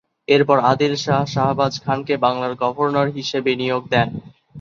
এরপর আদিল শাহ শাহবাজ খানকে বাংলার গভর্নর হিসেবে নিয়োগ দেন।